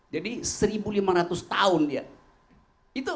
jadi satu lima ratus orang itu bisa dipilih tiga ratus kali itu